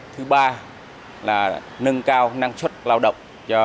thứ ba là nâng cao năng suất lao động